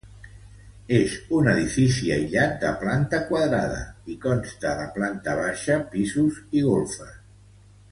És un edifici aïllat de planta quadrada i consta de planta baixa, pisos i golfes.